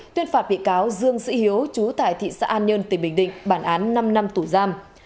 tuyên phạt bị cáo dương sĩ hiếu chú tại thị xã an nhơn tỉnh bình định bản án năm năm tù giam